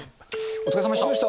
お疲れさまでした。